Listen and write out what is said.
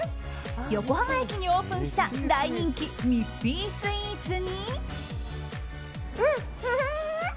横浜駅にオープンした大人気ミッフィースイーツに。